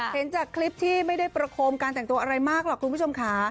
เห็นจากคลิปที่ไม่ได้ประโคมการแต่งตัวอะไรมากหรอกคุณผู้ชมค่ะ